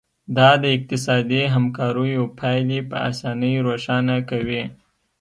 دا د اقتصادي همکاریو پایلې په اسانۍ روښانه کوي